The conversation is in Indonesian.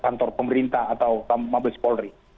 kantor pemerintah atau mabes polri